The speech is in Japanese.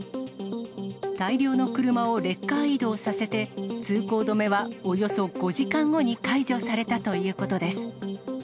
大量の車をレッカー移動させて、通行止めはおよそ５時間後に解除されたということです。